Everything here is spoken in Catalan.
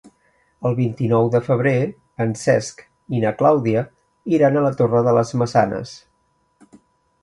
El vint-i-nou de febrer en Cesc i na Clàudia iran a la Torre de les Maçanes.